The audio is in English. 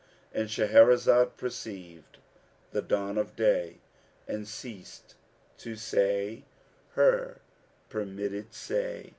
—And Shahrazad perceived the dawn of day and ceased to say her permitted say.